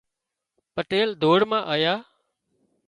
پٽيل ڌوڙ مان آيا